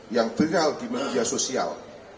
yang viral di media sosial